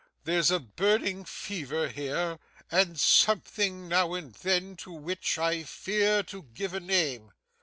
'There's burning fever here, and something now and then to which I fear to give a name.